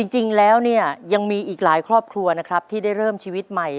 จริงแล้วเนี่ยยังมีอีกหลายครอบครัวนะครับที่ได้เริ่มชีวิตใหม่